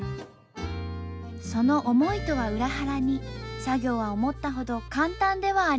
その思いとは裏腹に作業は思ったほど簡単ではありませんでした。